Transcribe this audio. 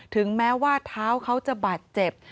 ถึงแม้ว่าเท้าเขาจะบาดเจ็บ